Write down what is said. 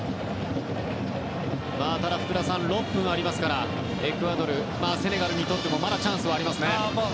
ただ福田さん、６分ありますからエクアドル、セネガルにとってもまだチャンスはありますね。